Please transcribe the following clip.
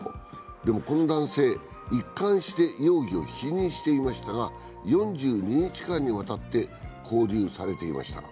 でもこの男性、一貫して容疑を否認していましたが４２日間にわたって勾留されていました。